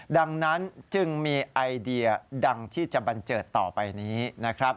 ดังนั้นจึงมีไอเดียดังที่จะบันเจิดต่อไปนี้นะครับ